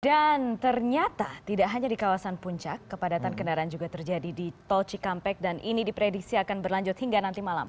dan ternyata tidak hanya di kawasan puncak kepadatan kendaraan juga terjadi di tolci kampek dan ini diprediksi akan berlanjut hingga nanti malam